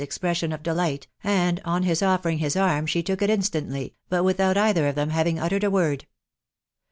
«xpre8SM» ofi delight, and on his offering his arm she took It instantly),, bat without either of them having tittered a wxud.